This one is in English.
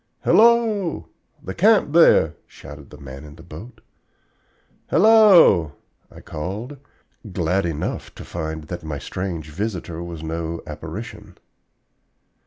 "Hello, the camp there!" shouted the man in the boat. "Hello!" I called, glad enough to find that my strange visitor was no apparition.